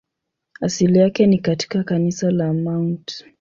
Asili yake ni katika kanisa la Mt.